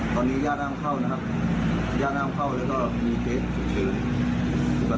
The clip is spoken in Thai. ตอนนี้ย่างห้ามเข้านะครับย่างห้ามเข้าแล้วก็ดีกว่า